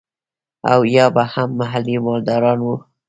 او يا به هم محلي مالداران وو.